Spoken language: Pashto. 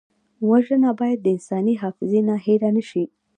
وژنه باید د انساني حافظې نه هېره نه شي